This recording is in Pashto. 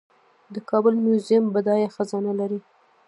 د کابل میوزیم بډایه خزانه لري